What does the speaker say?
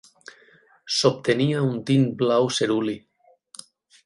S'obtenia un tint blau ceruli.